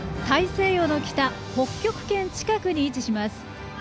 大西洋の北、北極圏近くに位置します。